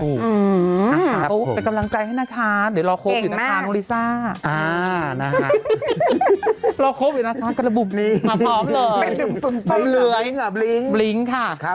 อืมครับผมโอ้เป็นกำลังใจให้นาคารเดี๋ยวเราคบอยู่นาคารโนรีซ่า